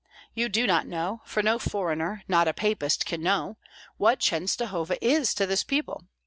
You do not know for no foreigner, not a papist, can know what Chenstohova is to this people.